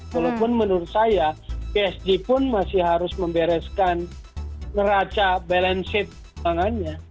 walaupun menurut saya psg pun masih harus membereskan meraca balance sheet keuangannya